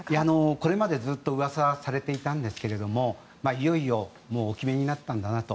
これまでずっとうわさされていたんですがいよいよお決めになったんだなと。